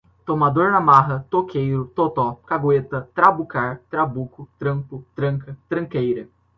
tomador na marra, toqueiro, totó, cagueta, trabucar, trabuco, trampo, tranca, tranqueira